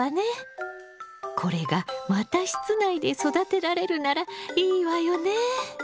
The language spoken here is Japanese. これがまた室内で育てられるならいいわよね！